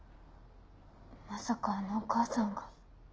「まさかあのお母さんが。